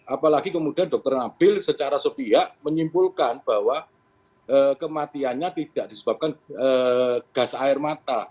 apalagi kemudian dr nabil secara sebiak menyimpulkan bahwa kematiannya tidak disebabkan gas air mata